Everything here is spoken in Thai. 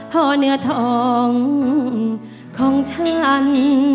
เพราะเนื้อทองของฉัน